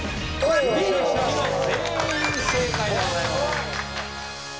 「Ｄ」の黄色全員正解でございます。